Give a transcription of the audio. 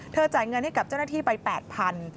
จ่ายเงินให้กับเจ้าหน้าที่ไป๘๐๐บาท